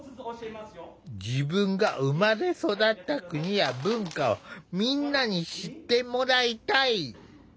自分が生まれ育った国や文化をみんなに知ってもらいたい。